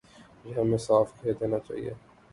یہ ہمیں صاف کہہ دینا چاہیے۔